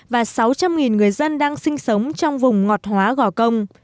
và sáu trăm linh người dân đang sinh sống trong vùng ngọt hóa gò công